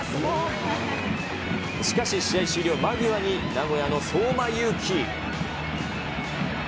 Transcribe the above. しかし試合終了間際に名古屋の相馬勇紀。